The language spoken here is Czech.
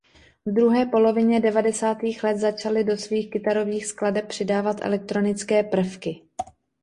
V druhé polovině devadesátých let začali do svých kytarových skladeb přidávat elektronické prvky.